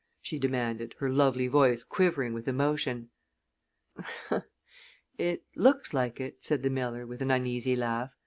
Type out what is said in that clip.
she demanded, her lovely voice quivering with emotion. "It looks like it," said the miller, with an uneasy laugh.